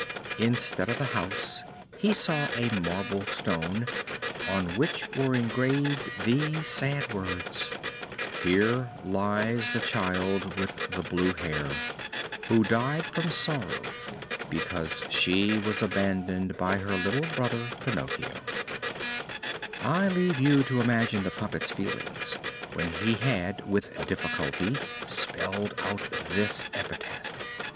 Instead of the house he saw a marble stone, on which were engraved these sad words: HERE LIES THE CHILD WITH THE BLUE HAIR WHO DIED FROM SORROW BECAUSE SHE WAS ABANDONED BY HER LITTLE BROTHER PINOCCHIO I leave you to imagine the puppet's feelings when he had with difficulty spelled out this epitaph.